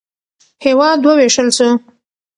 هېواد ووېشل شو.